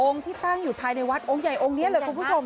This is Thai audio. ที่ตั้งอยู่ภายในวัดองค์ใหญ่องค์นี้เลยคุณผู้ชม